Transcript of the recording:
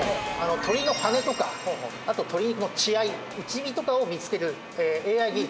鶏の羽根とかあと鶏肉の血合い打ち身とかを見つけるＡＩ技術。